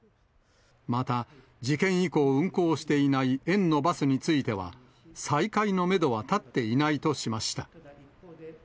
また、事件以降、運行していない園のバスについては、再開のメドは立っていないとしました。